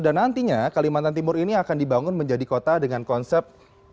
dan nantinya kalimantan timur ini akan dibangun menjadi kota dengan konsep